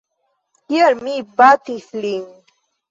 Kial mi batis lin?